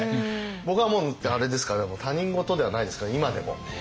僕はもうだってあれですから他人事ではないですから今でも。